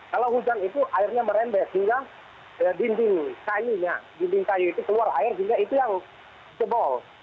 kalau hujan itu airnya merendes hingga dinding kayu itu keluar air hingga itu yang jebol